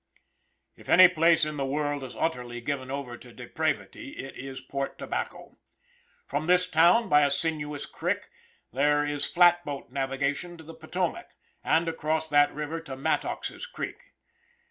If any place in the world is utterly given over to depravity, it is Port Tobacco. From this town, by a sinuous creek, there is flat boat navigation to the Potomac, and across that river to Mattox's creek.